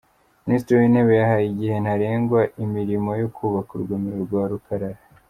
Minisitiri w’Intebe yahaye igihe ntarengwa imirimo yo kubaka urugomero rwa Rukarara